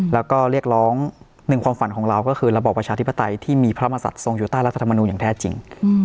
แล้วก็เรียกร้องหนึ่งความฝันของเราก็คือระบอบประชาธิปไตยที่มีพระมศัตว์ทรงอยู่ใต้รัฐธรรมนูลอย่างแท้จริง